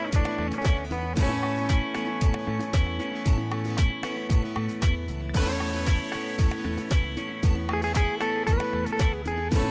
สวัสดีครับ